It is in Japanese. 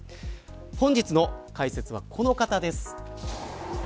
本日の解説はこの方です。